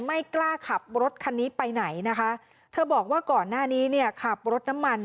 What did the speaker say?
ไม่กล้าขับรถคันนี้ไปไหนนะคะเธอบอกว่าก่อนหน้านี้เนี่ยขับรถน้ำมัน